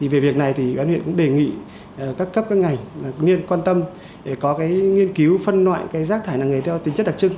về việc này huyện cũng đề nghị các cấp các ngành quan tâm để có nghiên cứu phân loại giác thải làng nghề theo tính chất đặc trưng